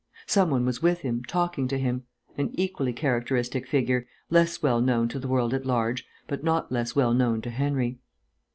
Some one was with him, talking to him an equally characteristic figure, less well known to the world at large, but not less well known to Henry.